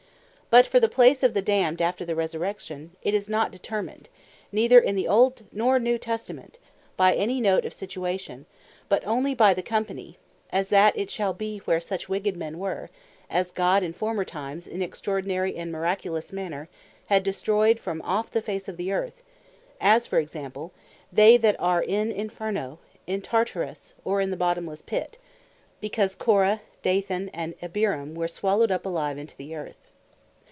But for the place of the damned after the Resurrection, it is not determined, neither in the Old, nor New Testament, by any note of situation; but onely by the company: as that it shall bee, where such wicked men were, as God in former times in extraordinary, and miraculous manner, had destroyed from off the face of the Earth: As for Example, that they are in Inferno, in Tartarus, or in the bottomelesse pit; because Corah, Dathan, and Abirom, were swallowed up alive into the earth.